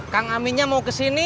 kang aminnya mau kesini